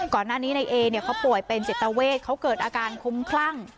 ก่อนหน้านี้ในเอเนี่ยเขาป่วยเป็นจิตเวทเขาเกิดอาการคุ้มคลั่ง